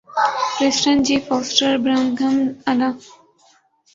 Preston G Foster Birmingham الا